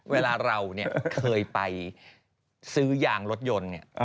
เวลาเราเคยไปซื้อย่างรถยนต์